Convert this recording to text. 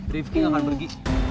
rifki gak akan pergi